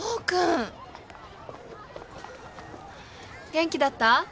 元気だった？